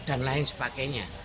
dan lain sebagainya